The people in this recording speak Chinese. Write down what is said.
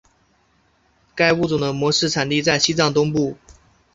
该物种的模式产地在西藏东部。